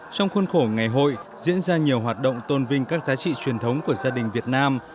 trong khuôn khổ ngày hội diễn ra nhiều hoạt động tôn vinh các giá trị truyền thống của gia đình việt nam